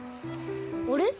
あれ？